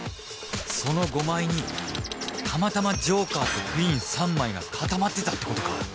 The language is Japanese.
その５枚にたまたまジョーカーとクイーン３枚が固まってたってことか